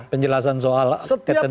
penjelasan soal ketentuan